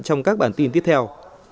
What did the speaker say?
trong các bản tin tiếp theo